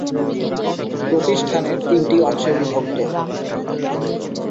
প্রতিষ্ঠানের তিনটি অংশে বিভক্ত।